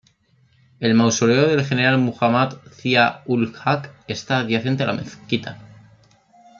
El mausoleo del general Muhammad Zia-ul-Haq está adyacente a la mezquita.